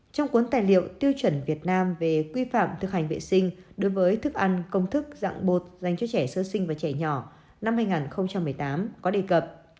trong cuốn tài liệu tiêu chuẩn việt nam về quy phạm thực hành vệ sinh đối với thức ăn công thức dạng bột dành cho trẻ sơ sinh và trẻ nhỏ năm hai nghìn một mươi tám có đề cập